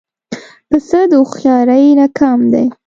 پسه د هوښیارۍ نه کم دی.